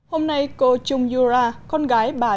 hôm nay cô chung yura con gái bà yura